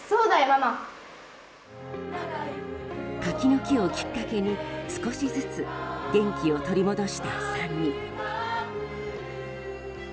柿の木をきっかけに少しずつ元気を取り戻した３人。